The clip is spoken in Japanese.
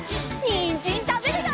にんじんたべるよ！